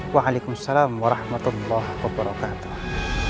waalaikumsalam warahmatullahi wabarakatuh